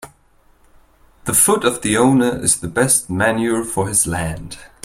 The foot of the owner is the best manure for his land.